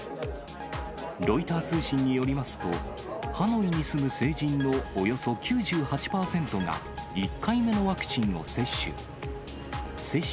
ロイター通信によりますと、ハノイに住む成人のおよそ９８％が１回目のワクチンを接種。